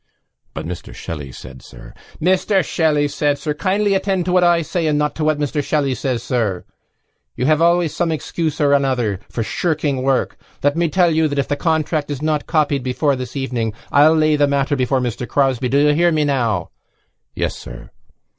"But Mr Shelley said, sir——" "Mr Shelley said, sir.... Kindly attend to what I say and not to what Mr Shelley says, sir. You have always some excuse or another for shirking work. Let me tell you that if the contract is not copied before this evening I'll lay the matter before Mr Crosbie.... Do you hear me now?" "Yes, sir."